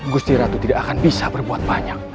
gusti ratu tidak akan bisa berbuat banyak